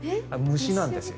虫なんですよ。